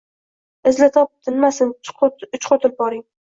Izla, top, tinmasin uchqur tulporing.